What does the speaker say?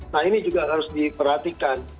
nah ini juga harus diperhatikan